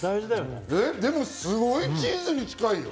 でも、すごいチーズに近いよ。